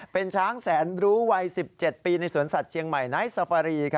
เป็นช้างแสนรู้วัย๑๗ปีในสวนสัตว์เชียงใหม่ไนท์ซาฟารี